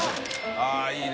あっいいね。